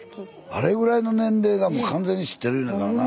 あれぐらいの年齢がもう完全に知ってるいうんやからな。